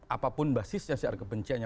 apapun basisnya siar kebenciannya